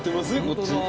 こっち。